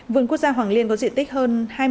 vườn quốc gia hoàng liên có diện tích hơn